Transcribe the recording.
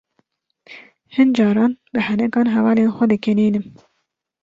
Hin caran bi henekan hevalên xwe dikenînim.